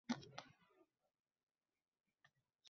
Kitoblarimni sotdim, dedi u, endi ularning menga kerak yo`q